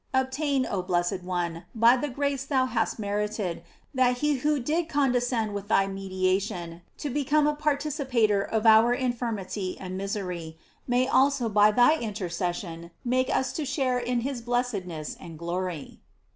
Obtain, oh blessed one, by the grace thou hast merited, that he who did condescend with thy mediation, to become a participator of our infirmity and misery, may also by thy inter cession make us to share in his blessedness and 'glory.